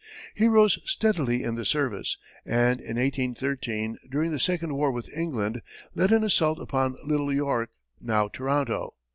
He rose steadily in the service, and in 1813, during the second war with England, led an assault upon Little York, now Toronto.